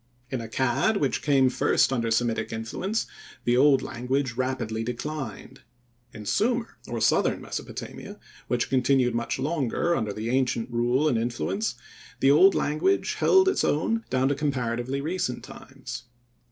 In Accad, which came first under Semitic influence, the old language rapidly declined. In Sumir, or southern Mesopotamia, which continued much longer under the ancient rule and influence, the old language held its own down to comparatively recent times.